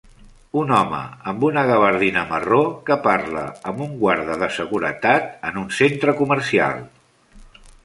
Un home amb una gavardina marró que parla amb un guarda de seguretat en un centre comercial.